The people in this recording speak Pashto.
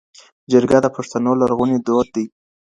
جرګه د پښتنو لرغونی دود دی.